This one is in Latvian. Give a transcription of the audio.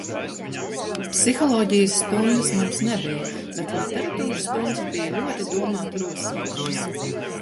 Psiholoģijas stundas mums nebija, bet literatūras stundas bija ļoti domāt rosinošas.